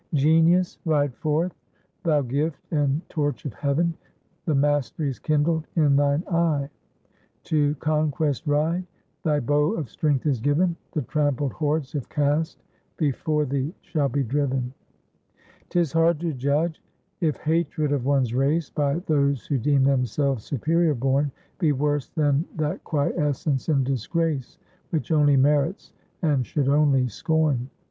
Genius ride forth! Thou gift and torch of heav'n! The mastery is kindled in thine eye; To conquest ride! thy bow of strength is giv'n The trampled hordes of caste before thee shall be driv'n! "'Tis hard to judge if hatred of one's race, By those who deem themselves superior born, Be worse than that quiescence in disgrace, Which only merits and should only scorn.